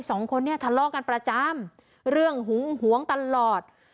สองคนนี้ทะเลาะกันประจำเรื่องหึงหวงตลอด